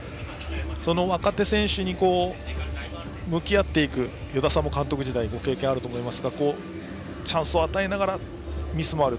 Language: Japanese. その若手選手に向き合っていくことが与田さんも監督時代ご経験あるかと思いますがチャンスを与えながらミスもある。